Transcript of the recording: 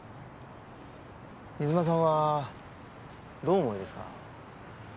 水間さんはどうお思いですか？